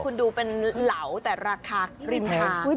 คุณดูเป็นเหลาแต่ราคาริมทาง